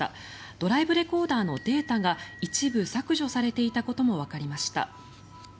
ドライブレコーダーのデータが一部削除されていたこともわかりました。